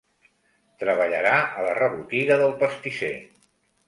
Treballarà a la rebotiga del pastisser.